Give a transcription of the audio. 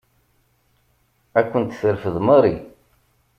Ad ken-terfed Mary.